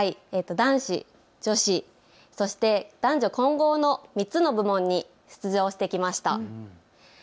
男子、女子、そして男女混合の３つの部門に出場してきました。